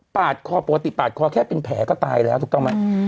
คอปกติปาดคอแค่เป็นแผลก็ตายแล้วถูกต้องไหม